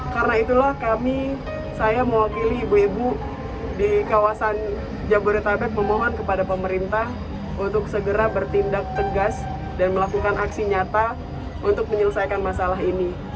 karena itulah kami saya mewakili ibu ibu di kawasan jabodetabek memohon kepada pemerintah untuk segera bertindak tegas dan melakukan aksi nyata untuk menyelesaikan masalah ini